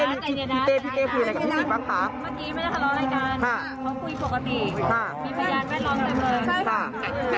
เมื่อกี้ไม่ได้ทะเลาะรายการ